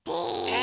え